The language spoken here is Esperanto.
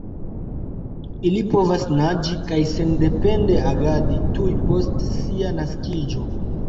Ili povas naĝi kaj sendepende agadi tuj post sia naskiĝo.